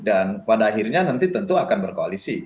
dan pada akhirnya nanti tentu akan berkoalisi